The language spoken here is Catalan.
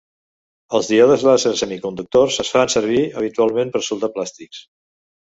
Els díodes làser semiconductors es fan servir habitualment per soldar plàstics.